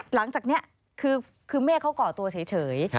หลังจากนี้คือเมฆเขาก่อตัวเฉย